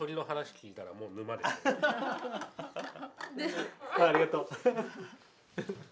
ありがとう。